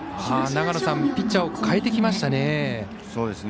ピッチャーを代えてきましたね。